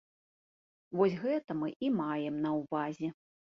Вось гэта мы і маем на ўвазе.